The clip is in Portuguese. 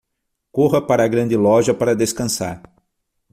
Corra para a grande loja para descansar